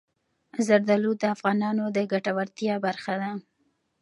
زردالو د افغانانو د ګټورتیا برخه ده.